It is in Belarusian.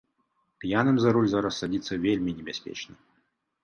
П'яным за руль зараз садзіцца вельмі небяспечна.